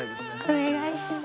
お願いします。